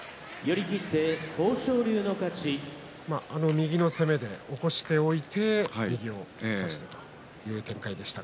右の攻めで起こしておいて右を差したという展開でした。